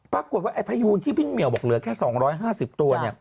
ปรากฏว่าไอ้พยูนที่พี่เหมียวบอกเหลือแค่๒๕๐ตัว